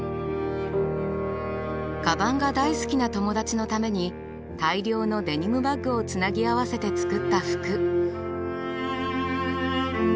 かばんが大好きな友達のために大量のデニムバッグをつなぎ合わせて作った服。